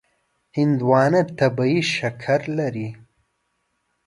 هندوانه طبیعي شکر لري.